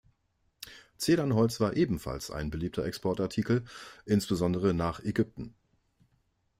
Zedernholz war ebenfalls ein beliebter Exportartikel, insbesondere nach Ägypten.